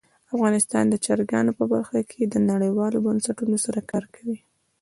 افغانستان د چرګان په برخه کې نړیوالو بنسټونو سره کار کوي.